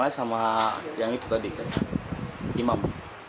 kenalnya sama yang itu tadi imam